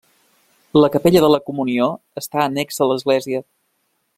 La capella de la Comunió està annexa a l'església.